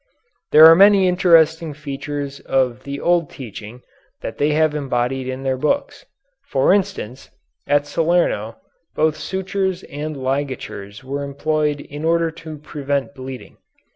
There are many interesting features of the old teaching that they have embodied in their books. For instance, at Salerno both sutures and ligatures were employed in order to prevent bleeding.